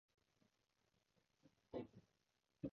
嚟生家陣唔紅嚕